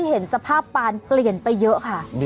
เห็นสภาพปานเปลี่ยนไปเยอะค่ะ